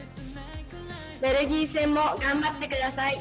ベルギー戦も頑張ってください。